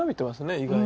意外に。